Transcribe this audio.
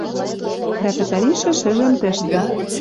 Дӓ пӹтӓришӹ шӹжӹм тӹштӹ